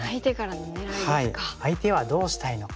相手はどうしたいのか。